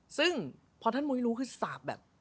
ซึ่งพอท่านมุ้ยรู้คือสาปแบบ